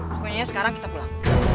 pokoknya sekarang kita pulang